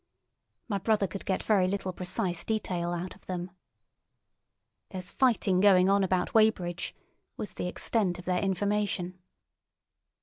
My brother could get very little precise detail out of them. "There's fighting going on about Weybridge" was the extent of their information.